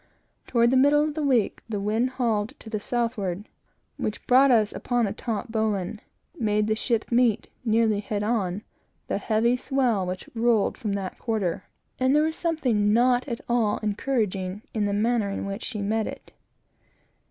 Toward the middle of the week, the wind hauled to the southward, which brought us upon a taut bowline, made the ship meet, nearly head on, the heavy swell which rolled from that direction; and there was something not at all encouraging in the manner in which she met it.